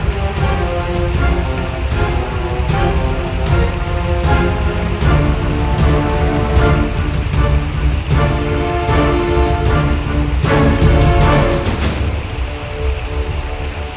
kau akan menangkapnya